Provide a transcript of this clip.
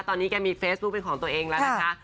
ตอนนี้แกมีเฟซบุ๊คเป็นของตัวเองแล้วนะคะ